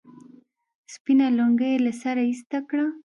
سپينه لونگۍ يې له سره ايسته کړه.